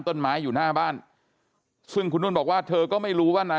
คลิปถ่ายอะไรก็ไม่ทราบ